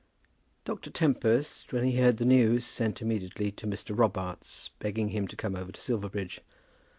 Dr. Tempest, when he heard the news, sent immediately to Mr. Robarts, begging him to come over to Silverbridge.